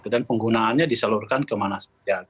dan penggunaannya disalurkan kemana saja